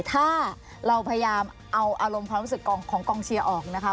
ถ้าเราพยายามเอาอารมณ์ความรู้สึกของกองเชียร์ออกนะคะ